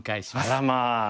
あらまあ。